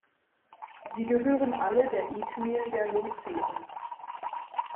Sie gehören alle der Ethnie der Lozi an.